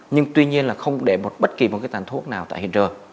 nhưng tuy nhiên là không để một bất kỳ một cái tàn thuốc nào tại hiện trường